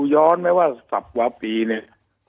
ย้อนไหมว่าสับวาปีเนี่ย